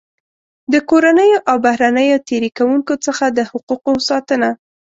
د کورنیو او بهرنیو تېري کوونکو څخه د حقوقو ساتنه.